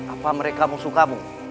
apa mereka musuh kamu